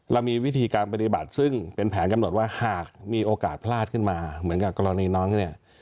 เรามีวิธีการปฏิบัติซึ่งเป็นแผนกำหนดว่าหากมีโอกาสพลาดขึ้นมาเหมือนกับกรณีน้องที่เนี่ย